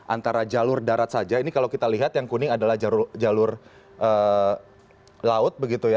antara jalur darat saja ini kalau kita lihat yang kuning adalah jalur laut begitu ya